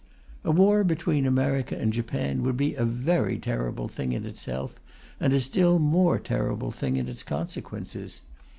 A war between America and Japan would be a very terrible thing in itself, and a still more terrible thing in its consequences.